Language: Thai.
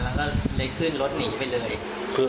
แล้วก็เลยขึ้นรถหนีไปเลย